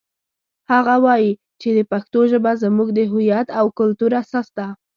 هغه وایي چې د پښتو ژبه زموږ د هویت او کلتور اساس ده